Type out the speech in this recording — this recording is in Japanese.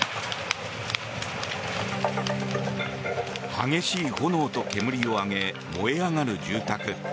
激しい炎と煙を上げ燃え上がる住宅。